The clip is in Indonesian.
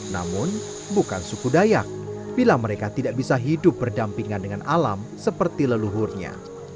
namun bukan suku dayak bila mereka tidak bisa hidup berdampingan dengan alam seperti leluhurnya